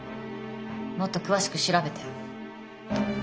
もっと詳しく調べて。